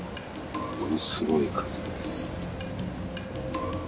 ものすごい数です